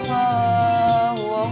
gak usah pak